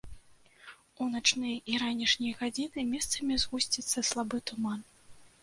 У начныя і ранішнія гадзіны месцамі згусціцца слабы туман.